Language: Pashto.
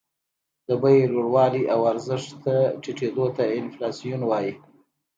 د بیې لوړوالي او ارزښت ټیټېدو ته انفلاسیون وايي